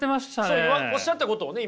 そうおっしゃったことをね